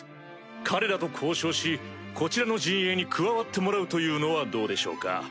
彼らと交渉しこちらの陣営に加わってもらうというのはどうでしょうか？